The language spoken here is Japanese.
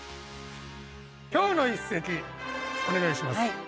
今日の一席お願いします。